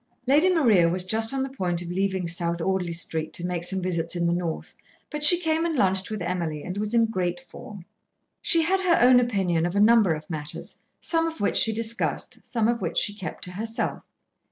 Lady Maria was just on the point of leaving South Audley Street to make some visits in the North, but she came and lunched with Emily, and was in great form. She had her own opinion of a number of matters, some of which she discussed, some of which she kept to herself.